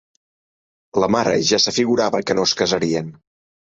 La mare ja s'afigurava que no es casarien.